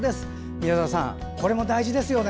宮澤さん、これも大事ですよね。